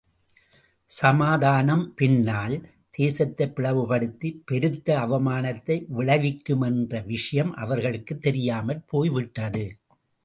சமாதானம் பின்னால் தேசத்தைப் பிளவுபடுத்திப் பெருத்த அவமானத்தை விளைவிக்குமென்ற விஷயம் அவர்களுக்குத் தெரியாமற் போய்விட்டது.